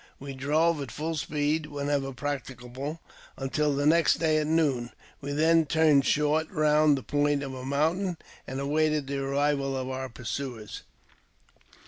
We drove^^ at full speed wherever practicable, until the next day at noon Mm we then turned short round the point of a mountain, and '' awaited the arrival of our pursuers.